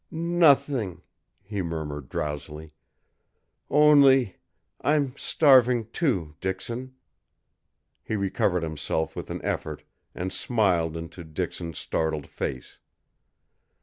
"Nothing," he murmured drowsily, "only I'm starving, too, Dixon!" He recovered himself with an effort, and smiled into Dixon's startled face.